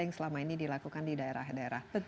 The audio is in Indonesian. yang selama ini dilakukan di daerah daerah